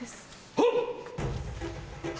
はっ！